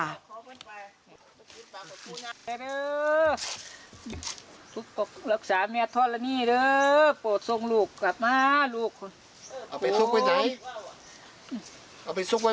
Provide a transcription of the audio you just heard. สวัสดีคุณภูมิหายไปซ้าย